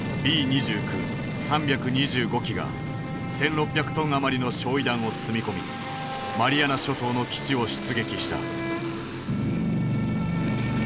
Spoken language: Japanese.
Ｂ２９３２５機が１，６００トン余りの焼夷弾を積み込みマリアナ諸島の基地を出撃した。